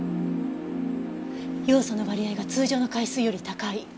ヨウ素の割合が通常の海水より高い。